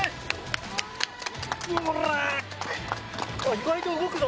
意外と動くぞ。